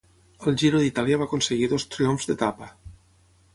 Al Giro d'Itàlia va aconseguir dos triomfs d'etapa.